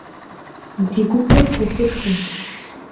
Di gupır gupışşxueş.